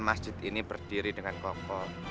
masjid ini berdiri dengan kokoh